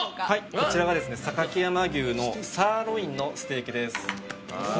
こちらがですね榊山牛のサーロインのステーキです